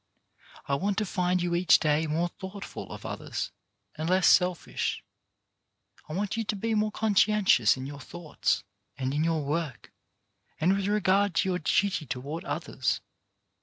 I want to find you each day more thoughtful of others, and less selfish. I want you to be more conscientious in your thoughts and in your work, and with regard to your duty toward others.